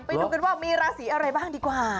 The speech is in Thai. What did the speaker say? ไปดูกันว่ามีราศีอะไรบ้างดีกว่า